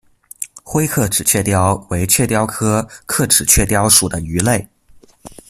灰刻齿雀鲷为雀鲷科刻齿雀鲷属的鱼类。